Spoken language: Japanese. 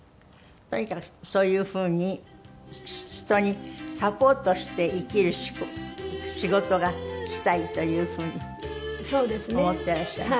とにかくそういうふうに人にサポートして生きる仕事がしたいというふうに思っていらっしゃる。